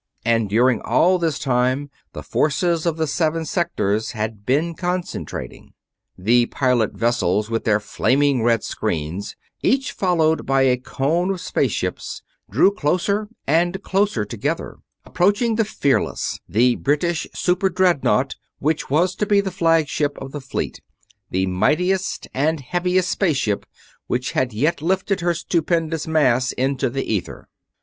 And during all this time the forces of the seven sectors had been concentrating. The pilot vessels, with their flaming red screens, each followed by a cone of space ships, drew closer and closer together, approaching the Fearless the British super dreadnought which was to be the flagship of the Fleet the mightiest and heaviest space ship which had yet lifted her stupendous mass into the ether.